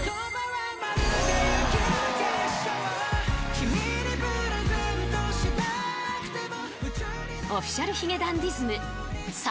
「君にプレゼントしたくても」